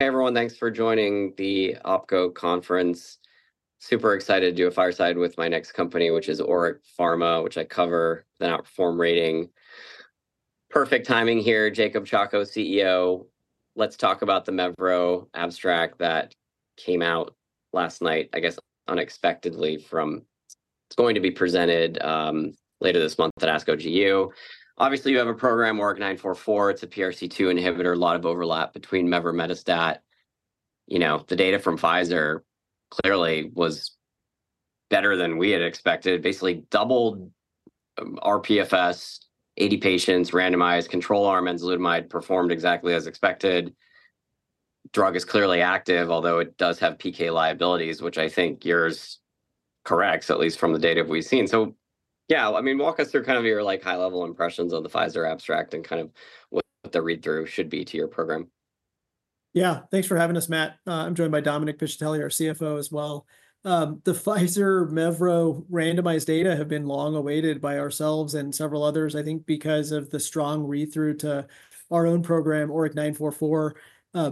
Thanks for joining the Oppenheimer Conference. Super excited to do a fireside with my next company, which is ORIC Pharmaceuticals, which I cover the Outperform rating. Perfect timing here. Jacob Chacko, CEO. Let's talk about the MEVPRO abstract that came out last night, I guess unexpectedly from it's going to be presented later this month at ASCO GU. Obviously, you have a program, ORIC-944. It's a PRC2 inhibitor. A lot of overlap between MEVPRO and tazemetostat. You know, the data from Pfizer clearly was better than we had expected. Basically doubled rPFS, 80 patients, randomized control arm enzalutamide performed exactly as expected. Drug is clearly active, although it does have PK liabilities, which I think yours corrects, at least from the data we've seen. Yeah, I mean, walk us through kind of your, like, high-level impressions of the Pfizer abstract and kind of what the read-through should be to your program. Thanks for having us, Matt. I'm joined by Dominic Piscitelli, our CFO, as well. The Pfizer MEVPRO randomized data have been long awaited by ourselves and several others, I think, because of the strong read-through to our own program, ORIC-944.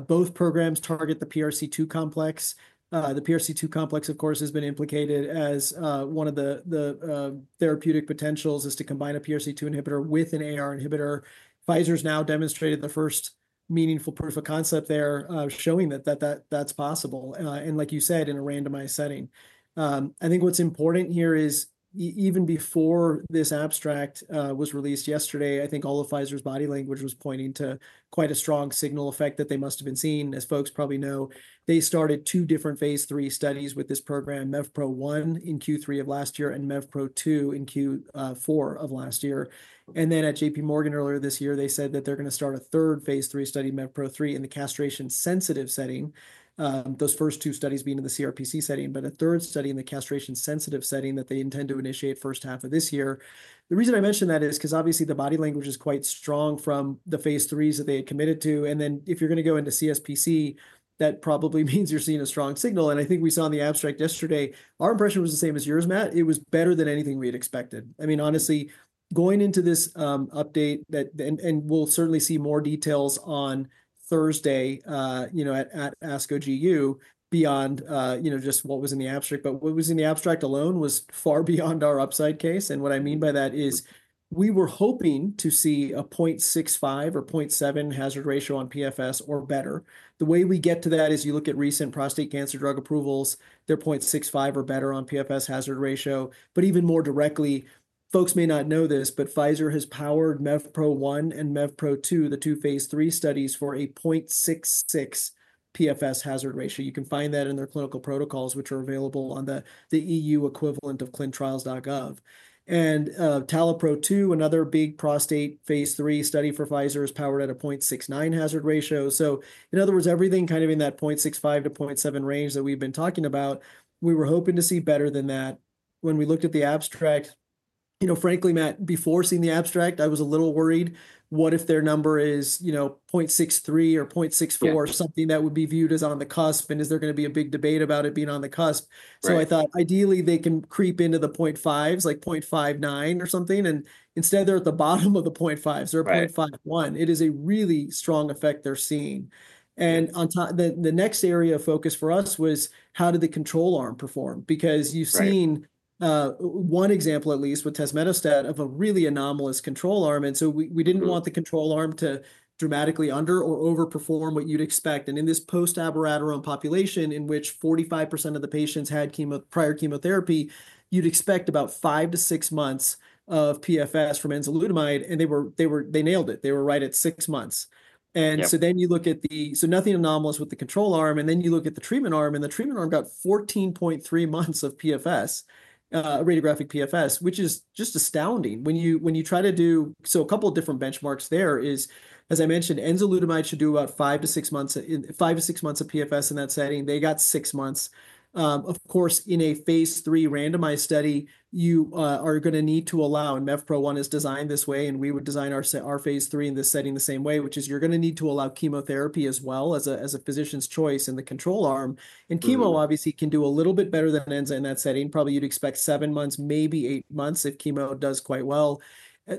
Both programs target the PRC2 complex. The PRC2 complex, of course, has been implicated as one of the therapeutic potentials is to combine a PRC2 inhibitor with an AR inhibitor. Pfizer's now demonstrated the first meaningful proof of concept there, showing that that's possible, and like you said, in a randomized setting. I think what's important here is even before this abstract was released yesterday, I think all of Pfizer's body language was pointing to quite a strong signal effect that they must have been seeing. As folks probably know, they started two different phase three studies with this program, MEVPRO-1 in Q3 of last year and MEVPRO-2 in Q4 of last year, and then at JPMorgan earlier this year, they said that they're going to start a third phase three study, MEVPRO-3, in the castration-sensitive setting, those first two studies being in the CRPC setting, but a third study in the castration-sensitive setting that they intend to initiate first half of this year. The reason I mentioned that is because obviously the body language is quite strong from the phase threes that they had committed to, and then if you're going to go into CSPC, that probably means you're seeing a strong signal, and I think we saw in the abstract yesterday, our impression was the same as yours, Matt. It was better than anything we had expected. Honestly, going into this update that, and we'll certainly see more details on Thursday, you know, at ASCO GU beyond, you know, just what was in the abstract, but what was in the abstract alone was far beyond our upside case, and what I mean by that is we were hoping to see a 0.65 or 0.7 hazard ratio on PFS or better. The way we get to that is you look at recent prostate cancer drug approvals. They're 0.65 or better on PFS hazard ratio, but even more directly, folks may not know this, but Pfizer has powered MEVPRO-1 and MEVPRO-2, the two phase 3 studies, for a 0.66 PFS hazard ratio. You can find that in their clinical protocols, which are available on the EU equivalent of clinicaltrials.gov, and TALAPRO-2, another big prostate phase 3 study for Pfizer, is powered at a 0.69 hazard ratio. In other words, everything kind of in that 0.65-0.7 range that we've been talking about, we were hoping to see better than that. When we looked at the abstract, you know, frankly, Matt, before seeing the abstract, I was a little worried. What if their number is, you know, 0.63 or 0.64, something that would be viewed as on the cusp? And is there going to be a big debate about it being on the cusp? So I thought ideally they can creep into the 0.5s, like 0.59 or something. And instead they're at the bottom of the 0.5s. They're at 0.51. It is a really strong effect they're seeing. And on top, the next area of focus for us was how did the control arm perform? Because you've seen one example, at least with Tazemetostat of a really anomalous control arm. We didn't want the control arm to dramatically under or overperform what you'd expect. In this post-abiraterone population in which 45% of the patients had prior chemotherapy, you'd expect about five to six months of PFS from enzalutamide. And they were, they nailed it. They were right at six months. And so then you look at the, so nothing anomalous with the control arm. And then you look at the treatment arm. And the treatment arm got 14.3 months of PFS, radiographic PFS, which is just astounding when you try to do. So a couple of different benchmarks there is, as I mentioned, enzalutamide should do about five to six months, five to six months of PFS in that setting. They got six months. Of course, in a phase 3 randomized study, you are going to need to allow, and MEVPRO-1 is designed this way, and we would design our phase 3 in this setting the same way, which is you're going to need to allow chemotherapy as well as a physician's choice in the control arm. And chemo obviously can do a little bit better than enza in that setting. Probably you'd expect seven months, maybe eight months if chemo does quite well.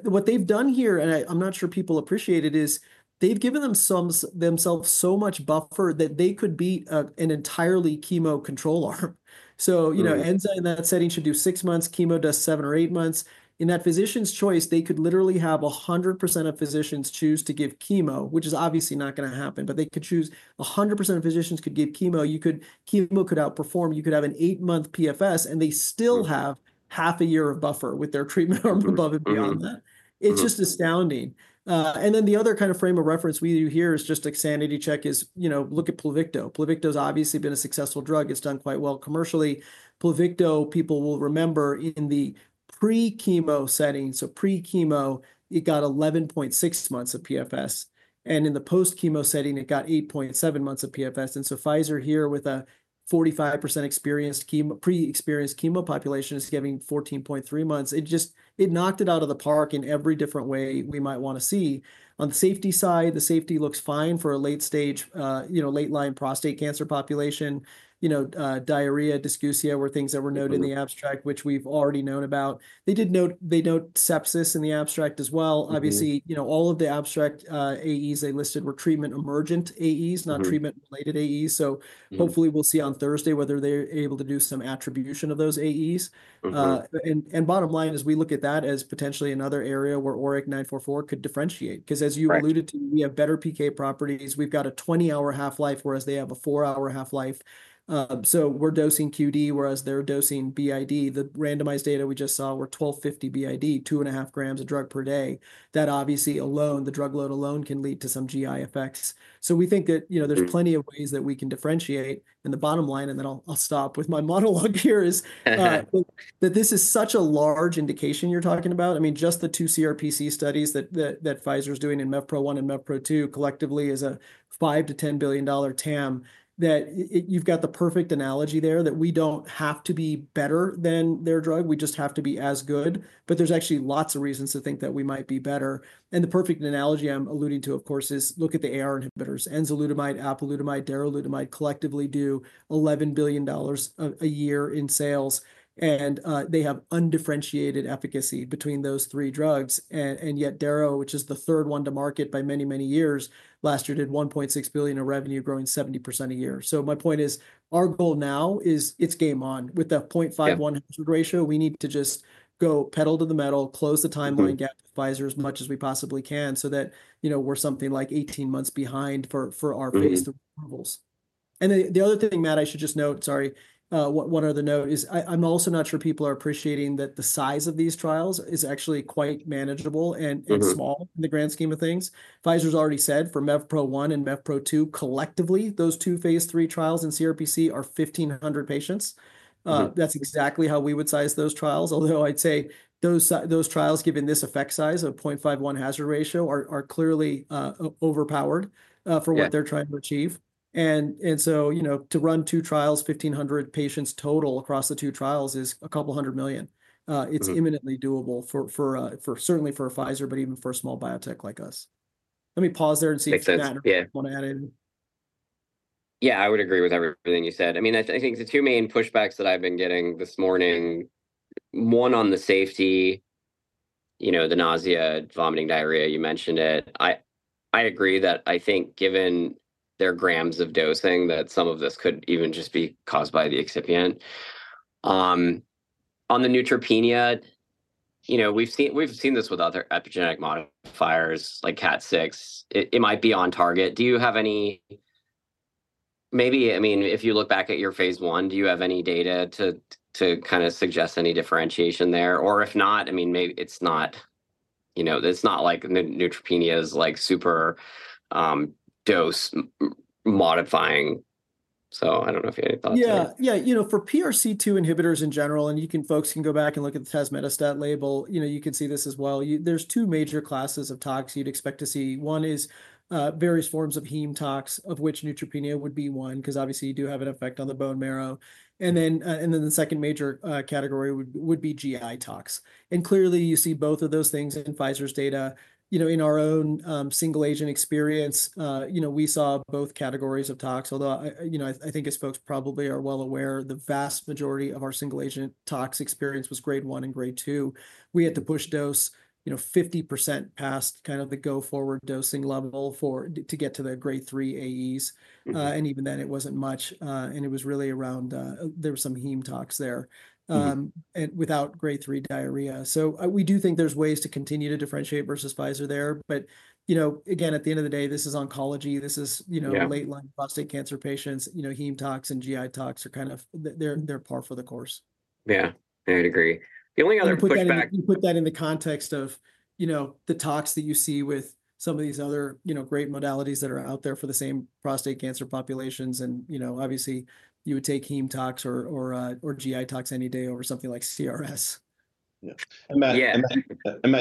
What they've done here, and I'm not sure people appreciate it, is they've given themselves so much buffer that they could be an entirely chemo control arm. So, you know, enza in that setting should do six months. Chemo does seven or eight months. In that physician's choice, they could literally have 100% of physicians choose to give chemo, which is obviously not going to happen, but they could choose 100% of physicians to give chemo. You could, chemo could outperform. You could have an eight-month PFS, and they still have half a year of buffer with their treatment arm above and beyond that. It's just astounding, and then the other kind of frame of reference we do here is just a sanity check. You know, look at Pluvicto. Pluvicto has obviously been a successful drug. It's done quite well commercially. Pluvicto, people will remember in the pre-chemo setting, so pre-chemo, it got 11.6 months of PFS, and in the post-chemo setting, it got 8.7 months of PFS. So Pfizer here with a 45% chemotherapy-experienced population is giving 14.3 months. It just, it knocked it out of the park in every different way we might want to see. On the safety side, the safety looks fine for a late stage, you know, late-line prostate cancer population, you know, diarrhea, dysgeusia were things that were noted in the abstract, which we've already known about. They did note, they note sepsis in the abstract as well. Obviously, you know, all of the abstract AEs they listed were treatment emergent AEs, not treatment-related AEs, so hopefully we'll see on Thursday whether they're able to do some attribution of those AEs, and bottom line is we look at that as potentially another area where ORIC-944 could differentiate. Because as you alluded to, we have better PK properties. We've got a 20-hour half-life, whereas they have a four-hour half-life, so we're dosing QD, whereas they're dosing BID. The randomized data we just saw were 1250 BID, two and a half grams of drug per day. That obviously alone, the drug load alone can lead to some GI effects. So we think that, you know, there's plenty of ways that we can differentiate. And the bottom line, and then I'll stop with my monologue here, is that this is such a large indication you're talking about. I mean, just the two CRPC studies that Pfizer is doing in MEVPRO-1 and MEVPRO-2 collectively is a $5-$10 billion TAM that you've got the perfect analogy there that we don't have to be better than their drug. We just have to be as good. But there's actually lots of reasons to think that we might be better. And the perfect analogy I'm alluding to, of course, is look at the AR inhibitors. Enzalutamide, apalutamide, daralutamide collectively do $11 billion a year in sales. And they have undifferentiated efficacy between those three drugs. And yet Daro, which is the third one to market by many, many years, last year did $1.6 billion of revenue, growing 70% a year. So my point is our goal now is it's game on. With the 0.51 hazard ratio, we need to just go pedal to the metal, close the timeline gap with Pfizer as much as we possibly can so that, you know, we're something like 18 months behind for our phase three intervals. And the other thing, Matt, I should just note, sorry, one other note is I'm also not sure people are appreciating that the size of these trials is actually quite manageable and small in the grand scheme of things. Pfizer's already said for MEVPRO-1 and MEVPRO-2 collectively, those two phase three trials in CRPC are 1,500 patients. That's exactly how we would size those trials. Although I'd say those trials, given this effect size of 0.51 hazard ratio, are clearly overpowered for what they're trying to achieve. And so, you know, to run two trials, 1,500 patients total across the two trials is $200 million. It's eminently doable, certainly for Pfizer, but even for a small biotech like us. Let me pause there and see if Matt wants to add anything. I would agree with everything you said. I mean, I think the two main pushbacks that I've been getting this morning, one on the safety, you know, the nausea, vomiting, diarrhea, you mentioned it. I agree that I think given their grams of dosing, that some of this could even just be caused by the excipient. On the neutropenia, you know, we've seen this with other epigenetic modifiers like tazemetostat. It might be on target. Do you have any, maybe, I mean, if you look back at your phase 1, do you have any data to kind of suggest any differentiation there? Or if not, I mean, maybe it's not, you know, it's not like neutropenia is like super dose modifying. So I don't know if you had any thoughts there. For PRC2 inhibitors in general, and you can, folks, go back and look at the Tazemetostat label, you know, you can see this as well. There are two major classes of tox you would expect to see. One is various forms of heme tox, of which neutropenia would be one, because obviously you do have an effect on the bone marrow. And then the second major category would be GI tox. And clearly you see both of those things in Pfizer's data. You know, in our own single agent experience, you know, we saw both categories of tox. Although, you know, I think as folks probably are well aware, the vast majority of our single agent tox experience was grade one and grade two. We had to push dose, you know, 50% past kind of the go forward dosing level to get to the grade three AEs. Even then it wasn't much. It was really around, there was some heme tox there without grade three diarrhea. We do think there's ways to continue to differentiate versus Pfizer there. You know, again, at the end of the day, this is oncology. This is, you know, late-line prostate cancer patients. You know, heme tox and GI tox are kind of, they're par for the course. I agree. The only other pushback. You put that in the context of, you know, the tox that you see with some of these other, you know, great modalities that are out there for the same prostate cancer populations, and, you know, obviously you would take heme tox or GI tox any day over something like CRS. And Matt,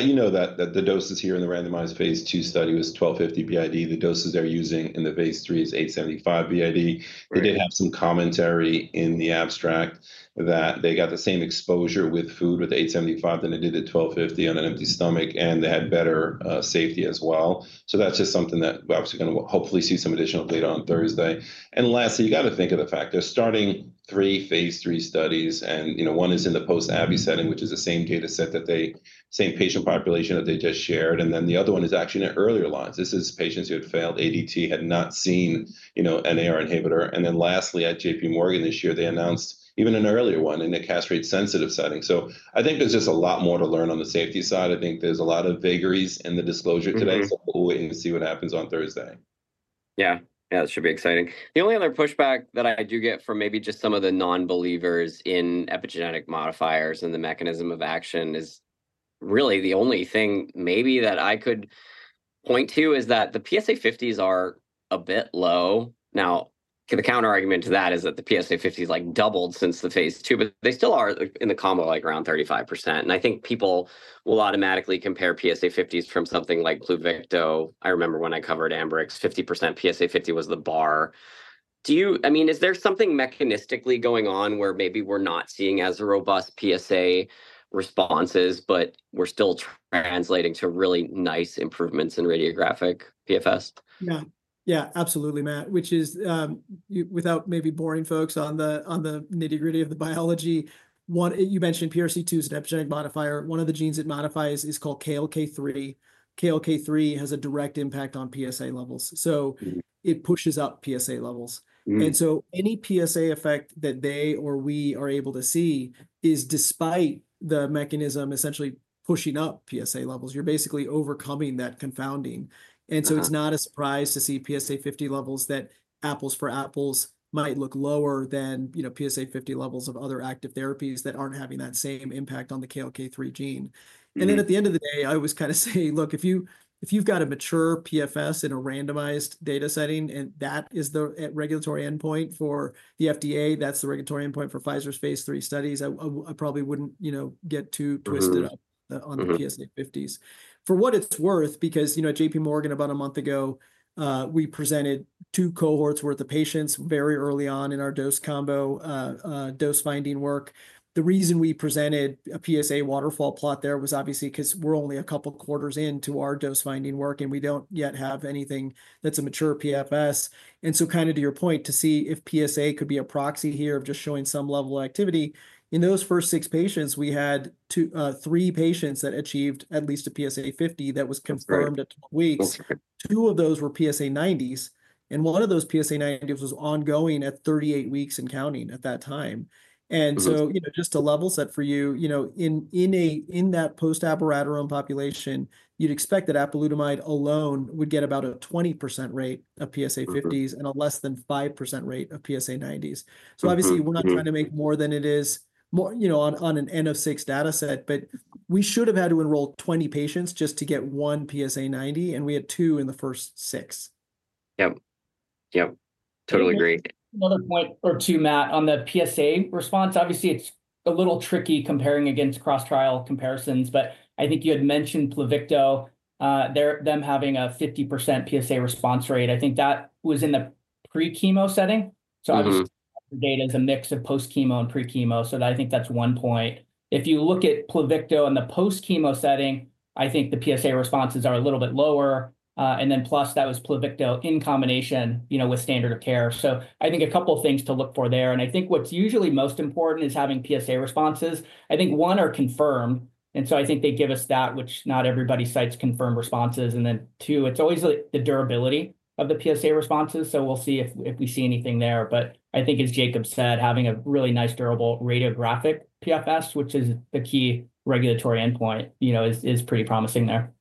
you know that the doses here in the randomized phase 2 study was 1250 BID. The doses they're using in the phase 3 is 875 BID. They did have some commentary in the abstract that they got the same exposure with food with 875 than they did at 1250 on an empty stomach, and they had better safety as well. So that's just something that we're obviously going to hopefully see some additional data on Thursday. And lastly, you got to think of the fact they're starting three phase 3 studies. And, you know, one is in the post-abi setting, which is the same data set that they, same patient population that they just shared. And then the other one is actually in earlier lines. This is patients who had failed ADT, had not seen, you know, an AR inhibitor. Then lastly at JPMorgan this year, they announced even an earlier one in a castration-sensitive setting. So I think there's just a lot more to learn on the safety side. I think there's a lot of vagaries in the disclosure today. So we'll wait and see what happens on Thursday. That should be exciting. The only other pushback that I do get from maybe just some of the non-believers in epigenetic modifiers and the mechanism of action is really the only thing maybe that I could point to is that the PSA50s are a bit low. Now, the counterargument to that is that the PSA50s like doubled since the phase two, but they still are in the combo like around 35%. And I think people will automatically compare PSA50s from something like Pluvicto. I remember when I covered Ambrx, 50% PSA50 was the bar. Is there something mechanistically going on where maybe we're not seeing as robust PSA responses, but we're still translating to really nice improvements in radiographic PFS? Absolutely, Matt, which is without maybe boring folks on the nitty-gritty of the biology. You mentioned PRC2 is an epigenetic modifier. One of the genes it modifies is called KLK3. KLK3 has a direct impact on PSA levels. So it pushes up PSA levels. And so any PSA effect that they or we are able to see is despite the mechanism essentially pushing up PSA levels. You're basically overcoming that confounding. And so it's not a surprise to see PSA50 levels that apples for apples might look lower than, you know, PSA50 levels of other active therapies that aren't having that same impact on the KLK3 gene. Then at the end of the day, I always kind of say, look, if you've got a mature PFS in a randomized data setting, and that is the regulatory endpoint for the FDA, that's the regulatory endpoint for Pfizer's phase three studies, I probably wouldn't, you know, get too twisted up on the PSA50s. For what it's worth, because, you know, at JPMorgan about a month ago, we presented two cohorts' worth of patients very early on in our dose combo dose finding work. The reason we presented a PSA waterfall plot there was obviously because we're only a couple quarters into our dose finding work, and we don't yet have anything that's a mature PFS. And so kind of to your point, to see if PSA could be a proxy here of just showing some level of activity. In those first six patients, we had three patients that achieved at least a PSA50 that was confirmed at 12 weeks. Two of those were PSA90s. And one of those PSA90s was ongoing at 38 weeks and counting at that time. And so, you know, just a level set for you, you know, in that post-apalutamide population, you'd expect that apalutamide alone would get about a 20% rate of PSA50s and a less than 5% rate of PSA90s. So obviously we're not trying to make more than it is, you know, on an N of six data set, but we should have had to enroll 20 patients just to get one PSA90, and we had two in the first six. Totally agree. Another point or two, Matt, on the PSA response. Obviously, it's a little tricky comparing against cross-trial comparisons, but I think you had mentioned Pluvicto. Them having a 50% PSA response rate, I think that was in the pre-chemo setting. So obviously, the data is a mix of post-chemo and pre-chemo. So I think that's one point. If you look at Pluvicto in the post-chemo setting, I think the PSA responses are a little bit lower. And then plus that was Pluvicto in combination, you know, with standard of care. So I think a couple of things to look for there. And I think what's usually most important is having PSA responses. I think one are confirmed. And so I think they give us that, which not everybody cites confirmed responses. And then two, it's always the durability of the PSA responses. So we'll see if we see anything there. But I think as Jacob said, having a really nice durable radiographic PFS, which is the key regulatory endpoint, you know, is pretty promising there.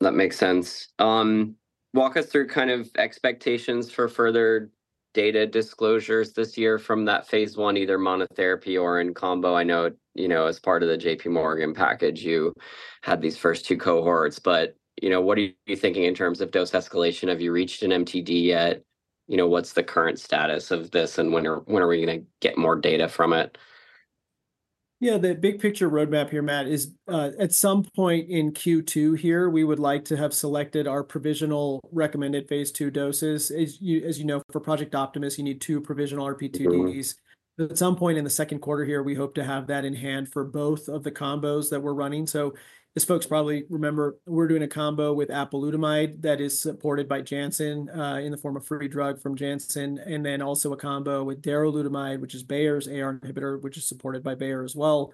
That makes sense. Walk us through kind of expectations for further data disclosures this year from that phase one, either monotherapy or in combo. I know, you know, as part of the JPMorgan package, you had these first two cohorts. But, you know, what are you thinking in terms of dose escalation? Have you reached an MTD yet? You know, what's the current status of this and when are we going to get more data from it? The big picture roadmap here, Matt, is at some point in Q2 here, we would like to have selected our provisional recommended phase 2 doses. As you know, for Project Optimus, you need two provisional RP2Ds. At some point in the second quarter here, we hope to have that in hand for both of the combos that we're running. So as folks probably remember, we're doing a combo with apalutamide that is supported by Janssen in the form of free drug from Janssen. And then also a combo with daralutamide, which is Bayer's AR inhibitor, which is supported by Bayer as well.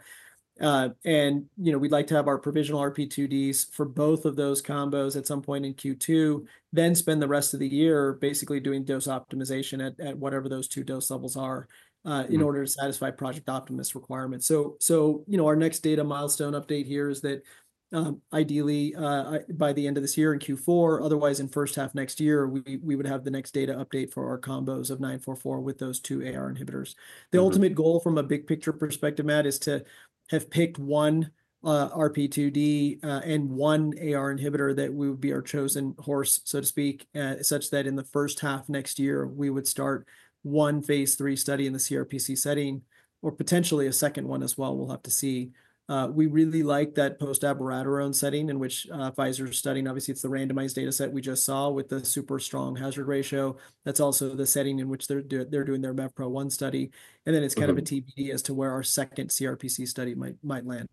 And, you know, we'd like to have our provisional RP2Ds for both of those combos at some point in Q2, then spend the rest of the year basically doing dose optimization at whatever those two dose levels are in order to satisfy Project Optimus requirements. So, our next data milestone update here is that ideally by the end of this year in Q4, otherwise in first half next year, we would have the next data update for our combos of 944 with those two AR inhibitors. The ultimate goal from a big picture perspective, Matt, is to have picked one RP2D and one AR inhibitor that would be our chosen horse, so to speak, such that in the first half next year, we would start one phase three study in the CRPC setting, or potentially a second one as well. We'll have to see. We really like that post-AR setting in which Pfizer is studying. Obviously, it's the randomized data set we just saw with the super strong hazard ratio. That's also the setting in which they're doing their MEVPRO-1 study. It's kind of a TBD as to where our second CRPC study might land.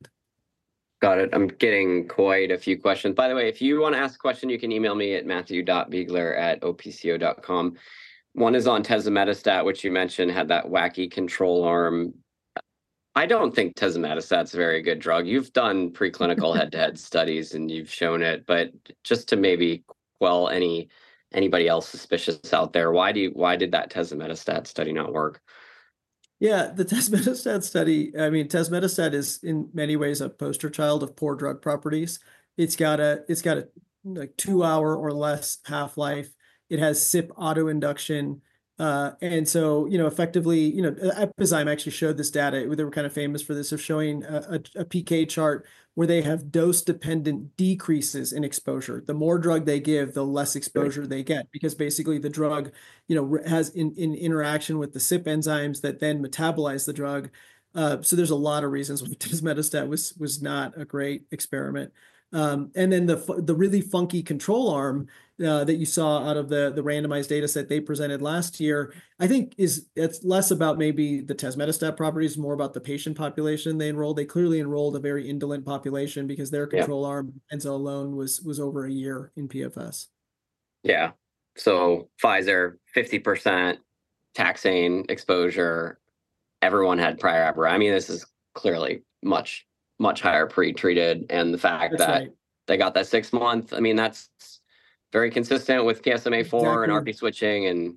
Got it. I'm getting quite a few questions. By the way, if you want to ask a question, you can email me at matthew.biegler@opco.com. One is on tazemetostat, which you mentioned had that wacky control arm. I don't think tazemetostat's a very good drug. You've done preclinical head-to-head studies and you've shown it, but just to maybe quell anybody else suspicious out there, why did that tazemetostat study not work? The tazemetostat study, I mean, tazemetostat is in many ways a poster child of poor drug properties. It's got a two-hour or less half-life. It has CYP autoinduction. And so, you know, effectively, you know, Epizyme actually showed this data. They were kind of famous for this of showing a PK chart where they have dose-dependent decreases in exposure. The more drug they give, the less exposure they get, because basically the drug, you know, has an interaction with the CYP enzymes that then metabolize the drug. So there's a lot of reasons why tazemetostat was not a great experiment. And then the really funky control arm that you saw out of the randomized data set they presented last year, I think is less about maybe the tazemetostat properties, more about the patient population they enrolled. They clearly enrolled a very indolent population because their control arm alone was over a year in PFS. So Pfizer, 50% taxane exposure. Everyone had prior Apalutamide. I mean, this is clearly much, much higher pretreated. And the fact that they got that six month, I mean, that's very consistent with PSMAfore and ARPI switching and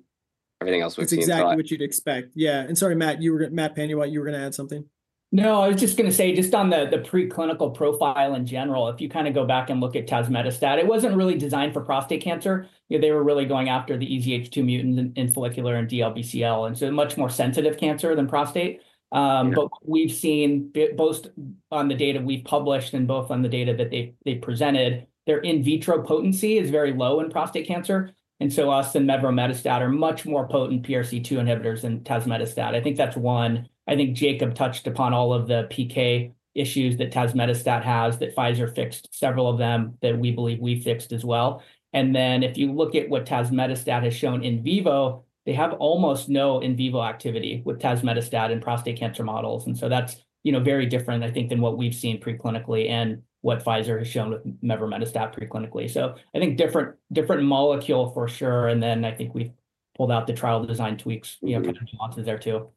everything else we've seen in the past. Exactly what you'd expect. Yeah. And sorry, Matt, you were going to Matt Panuwat, you were going to add something? No, I was just going to say just on the preclinical profile in general, if you kind of go back and look at tazemetostat, it wasn't really designed for prostate cancer. They were really going after the EZH2 mutant in follicular and DLBCL. And so much more sensitive cancer than prostate. But we've seen both on the data we've published and both on the data that they presented, their in vitro potency is very low in prostate cancer. And so us and mevrometostat are much more potent PRC2 inhibitors than tazemetostat. I think that's one. I think Jacob touched upon all of the PK issues that tazemetostat has that Pfizer fixed several of them that we believe we fixed as well. And then if you look at what tazemetostat has shown in vivo, they have almost no in vivo activity with tazemetostat in prostate cancer models. That's very different, I think, than what we've seen preclinically and what Pfizer has shown with mevrometostat preclinically. I think different molecule for sure. Then I think we've pulled out the trial design tweaks, you know, kind of nuances there too.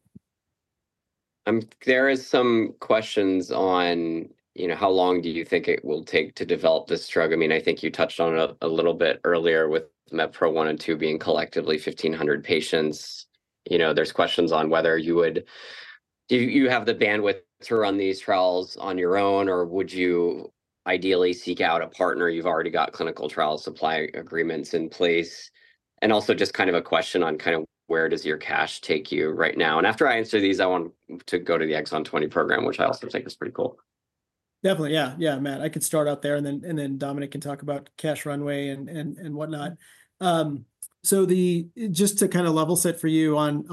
There are some questions on, you know, how long do you think it will take to develop this drug? I mean, I think you touched on it a little bit earlier with MEVPRO-1 and 2 being collectively 1,500 patients. You know, there's questions on whether you would, you have the bandwidth to run these trials on your own, or would you ideally seek out a partner? You've already got clinical trial supply agreements in place. And also just kind of a question on kind of where does your cash take you right now? And after I answer these, I want to go to the Exon 20 program, which I also think is pretty cool. Definitely. Matt, I could start out there and then Dominic can talk about cash runway and whatnot. So just to kind of level set for you on,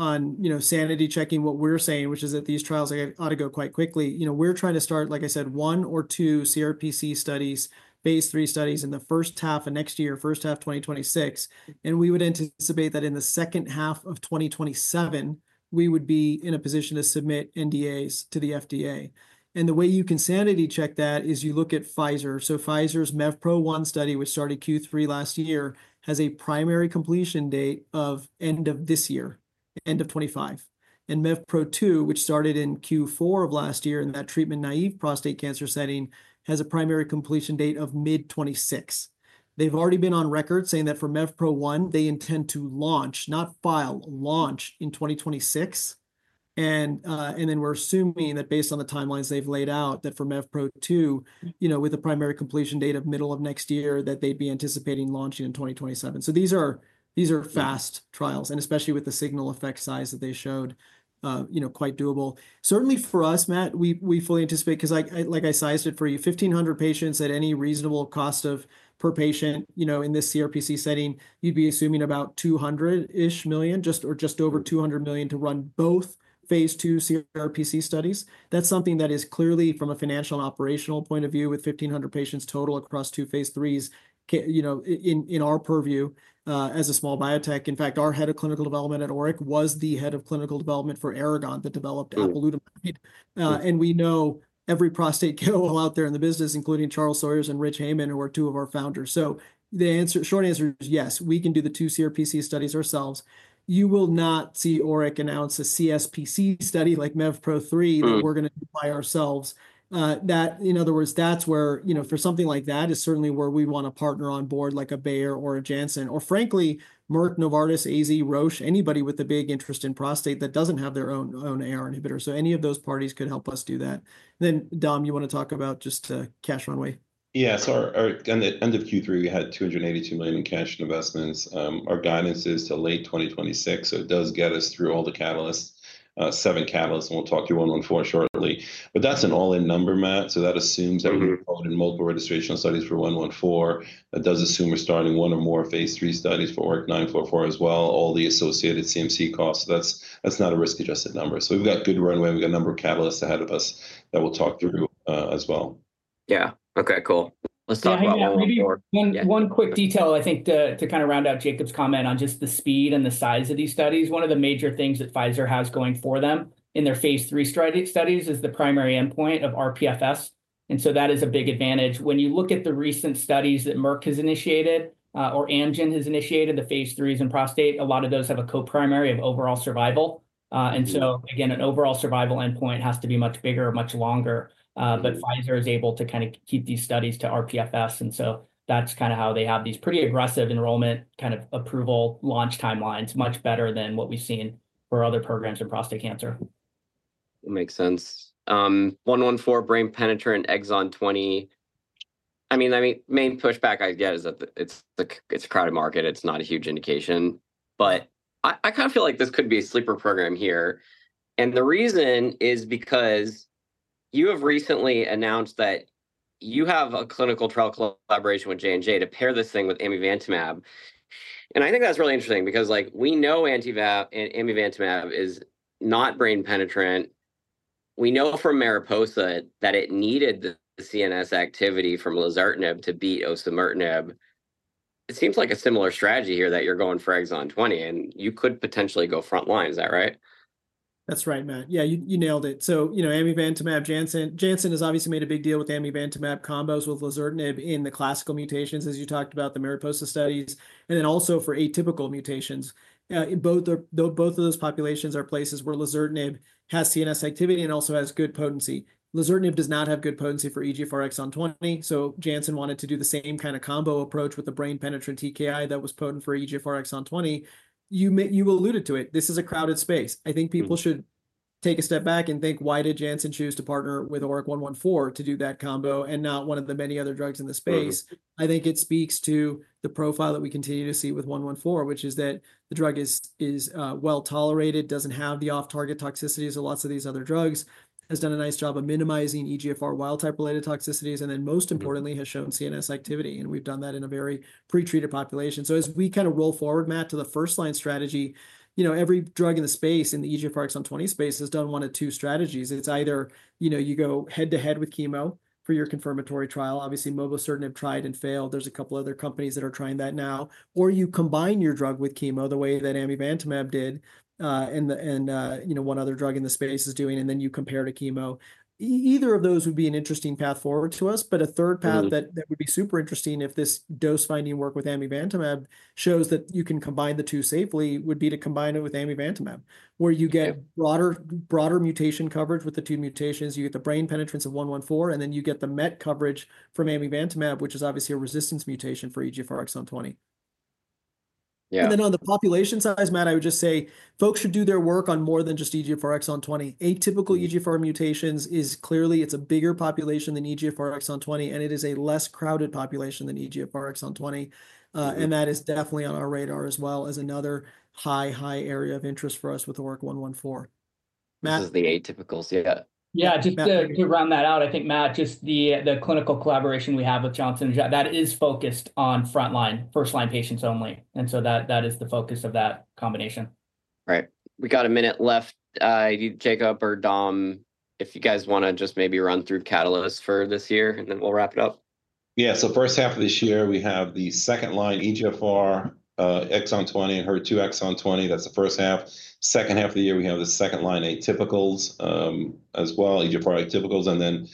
you know, sanity checking what we're saying, which is that these trials ought to go quite quickly. You know, we're trying to start, like I said, one or two CRPC studies, phase three studies in the first half of next year, first half 2026. And we would anticipate that in the second half of 2027, we would be in a position to submit NDAs to the FDA. And the way you can sanity check that is you look at Pfizer. So Pfizer's MEVPRO-1 study, which started Q3 last year, has a primary completion date of end of this year, end of 2025. MEVPRO-2, which started in Q4 of last year in that treatment naive prostate cancer setting, has a primary completion date of mid 2026. They've already been on record saying that for MEVPRO-1, they intend to launch, not file, launch in 2026. And then we're assuming that based on the timelines they've laid out, that for MEVPRO-2, you know, with a primary completion date of middle of next year, that they'd be anticipating launching in 2027. So these are fast trials, and especially with the signal effect size that they showed, you know, quite doable. Certainly for us, Matt, we fully anticipate, because like I sized it for you, 1500 patients at any reasonable cost of per patient, you know, in this CRPC setting, you'd be assuming about $200-ish million, just or just over $200 million to run both phase 2 CRPC studies. That's something that is clearly from a financial and operational point of view with 1,500 patients total across two phase 3s, you know, in our purview as a small biotech. In fact, our head of clinical development at ORIC was the head of clinical development for Aragon that developed apalutamide. And we know every prostate KOL out there in the business, including Charles Sawyers and Rich Heyman, who are two of our founders. So the short answer is yes, we can do the two CRPC studies ourselves. You will not see ORIC announce a CSPC study like MEVPRO-3 that we're going to apply ourselves. That, in other words, that's where, you know, for something like that is certainly where we want to partner on board like a Bayer or a Janssen, or frankly, Merck, Novartis, AZ, Roche, anybody with a big interest in prostate that doesn't have their own AR inhibitor. So any of those parties could help us do that. Then Dom, you want to talk about just the cash runway? So at the end of Q3, we had $282 million in cash investments. Our guidance is till late 2026. So it does get us through all the catalysts, seven catalysts, and we'll talk to you about ORIC-114 shortly. But that's an all-in number, Matt. So that assumes that we're involved in multiple registrational studies for ORIC-114. That does assume we're starting one or more phase three studies for ORIC-944 as well, all the associated CMC costs. That's not a risk-adjusted number. So we've got a good runway. We've got a number of catalysts ahead of us that we'll talk through as well. Okay, cool. Let's talk about 114. One quick detail, I think, to kind of round out Jacob's comment on just the speed and the size of these studies. One of the major things that Pfizer has going for them in their phase 3 studies is the primary endpoint of rPFS. And so that is a big advantage. When you look at the recent studies that Merck has initiated or Amgen has initiated, the phase 3s in prostate, a lot of those have a co-primary of overall survival. And so again, an overall survival endpoint has to be much bigger, much longer. But Pfizer is able to kind of keep these studies to rPFS. And so that's kind of how they have these pretty aggressive enrollment kind of approval launch timelines, much better than what we've seen for other programs in prostate cancer. Makes sense. 114, brain penetrant, Exon 20. I mean, the main pushback I get is that it's a crowded market. It's not a huge indication. But I kind of feel like this could be a sleeper program here. And the reason is because you have recently announced that you have a clinical trial collaboration with J&J to pair this thing with amivantamab. And I think that's really interesting because we know amivantamab is not brain penetrant. We know from Mariposa that it needed the CNS activity from lazertinib to beat osimertinib. It seems like a similar strategy here that you're going for Exon 20, and you could potentially go front line. Is that right? That's right, Matt. Yeah, you nailed it. So, you know, amivantamab, Janssen. Janssen has obviously made a big deal with amivantamab combos with lazertinib in the classical mutations, as you talked about the Mariposa studies, and then also for atypical mutations. Both of those populations are places where lazertinib has CNS activity and also has good potency. Lazertinib does not have good potency for EGFR Exon 20. So Janssen wanted to do the same kind of combo approach with the brain penetrant TKI that was potent for EGFR Exon 20. You alluded to it. This is a crowded space. I think people should take a step back and think, why did Janssen choose to partner with ORIC-114 to do that combo and not one of the many other drugs in the space? It speaks to the profile that we continue to see with 114, which is that the drug is well tolerated, doesn't have the off-target toxicities of lots of these other drugs, has done a nice job of minimizing EGFR wild-type related toxicities, and then most importantly, has shown CNS activity. And we've done that in a very pretreated population. So as we kind of roll forward, Matt, to the first line strategy, you know, every drug in the space, in the EGFR Exon 20 space, has done one of two strategies. It's either, you know, you go head-to-head with chemo for your confirmatory trial. Obviously, mobocertinib tried and failed. There's a couple of other companies that are trying that now. Or you combine your drug with chemo the way that amivantamab did and, you know, one other drug in the space is doing, and then you compare to chemo. Either of those would be an interesting path forward to us. But a third path that would be super interesting if this dose-finding work with amivantamab shows that you can combine the two safely would be to combine it with amivantamab, where you get broader mutation coverage with the two mutations. You get the brain penetrance of 114, and then you get the MET coverage from amivantamab, which is obviously a resistance mutation for EGFR Exon 20. Yeah. Then on the population side, Matt, I would just say folks should do their work on more than just EGFR Exon 20. Atypical EGFR mutations is clearly; it's a bigger population than EGFR Exon 20, and it is a less crowded population than EGFR Exon 20. That is definitely on our radar as well as another high, high area of interest for us with ORIC-114. Matt? This is the atypicals, yeah. Just to round that out, I think, Matt, just the clinical collaboration we have with Johnson & Johnson, that is focused on front line, first line patients only. And so that is the focus of that combination. Right. We got a minute left. Jacob or Dom, if you guys want to just maybe run through catalysts for this year, and then we'll wrap it up. So first half of this year, we have the second-line EGFR Exon 20 and HER2 Exon 20. That's the first half. Second half of the year, we have the second-line atypicals as well, EGFR atypicals. And then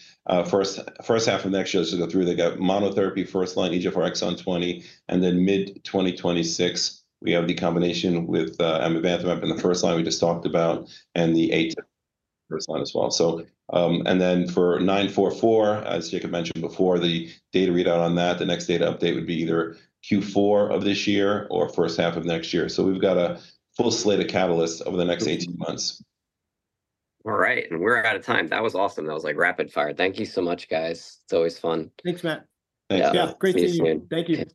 first half of next year, let's just go through. They got monotherapy, first-line EGFR Exon 20. And then mid-2026, we have the combination with amivantamab in the first line we just talked about and the atypical first line as well. So, and then for 944, as Jacob mentioned before, the data readout on that, the next data update would be either Q4 of this year or first half of next year. So we've got a full slate of catalysts over the next 18 months. All right. And we're out of time. That was awesome. That was like rapid fire. Thank you so much, guys. It's always fun. Thanks, Matt. Thanks. Great seeing you. Thank you.